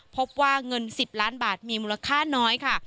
พบว่าเงิน๑๐ล้านบาทมีมูลค่าน้อยค่ะ